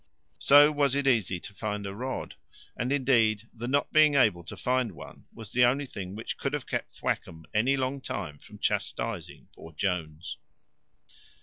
So was it easy to find a rod; and, indeed, the not being able to find one was the only thing which could have kept Thwackum any long time from chastising poor Jones.